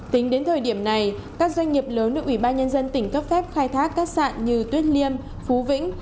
tính đến thời điểm này các doanh nghiệp lớn được ủy ban nhân dân tỉnh cấp phép khai thác các sạn như tuyết liêm phú vĩnh